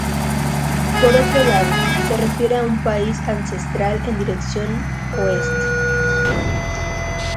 Por otro lado, se refiere a un país ancestral en dirección oeste.